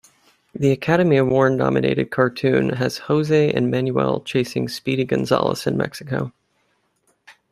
The Academy Award-nominated cartoon has Jose and Manuel chasing Speedy Gonzales in Mexico.